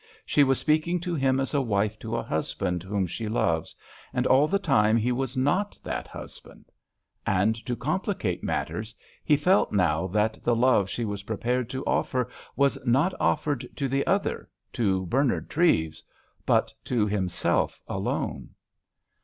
She was speaking to him as a wife to a husband whom she loves, and all the time he was not that husband. And, to complicate matters, he felt now that the love she was prepared to offer was not offered to the other—to Bernard Treves—but to himself alone.